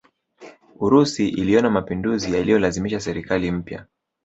Urusi iliona mapinduzi yaliyolazimisha serikali mpya